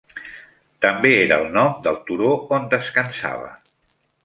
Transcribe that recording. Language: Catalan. També era el nom del turó on descansava.